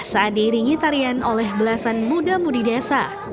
saat diiringi tarian oleh belasan muda mudi desa